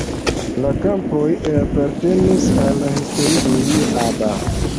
La kampoj apartenis al historia familio Aba.